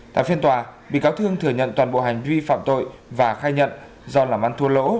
tại phiên tòa bị cáo thương thừa nhận toàn bộ hành vi phạm tội và khai nhận do làm ăn thua lỗ